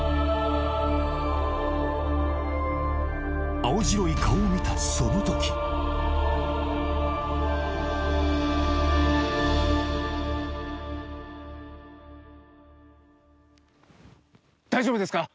青白い顔を見たその時大丈夫ですか？